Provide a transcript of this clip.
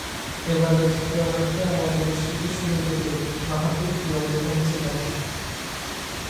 এবারের চিত্রনাট্যে আপাতদৃষ্টিতে শুরু থেকেই মাহাথির কি অবস্থানে ছিলেন?